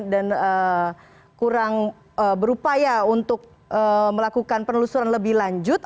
dan kurang berupaya untuk melakukan penelusuran lebih lanjut